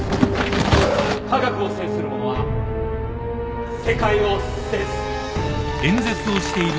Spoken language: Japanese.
「科学を制する者は世界を制す」